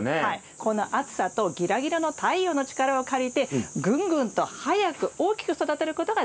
この暑さとギラギラの太陽の力を借りてぐんぐんと早く大きく育てることができます。